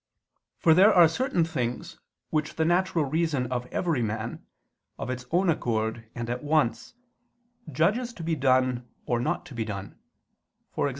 For there are certain things which the natural reason of every man, of its own accord and at once, judges to be done or not to be done: e.g.